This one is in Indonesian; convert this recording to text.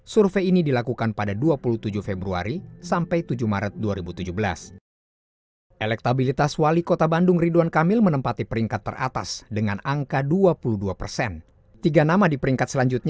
sinyal bahwa anda akan maju